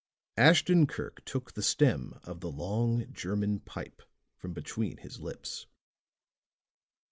Ashton Kirk took the stem of the long German pipe from between his lips.